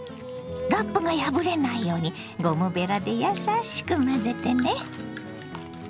ラップが破れないようにゴムべらでやさしく混ぜてね。